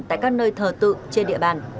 tại các nơi thờ tự trên địa bàn